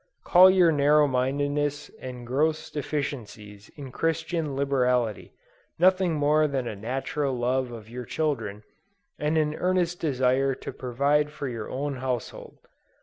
Call your narrow mindedness and gross deficiencies in Christian liberality, nothing more than a natural love of your children, and an earnest desire to provide for your own household.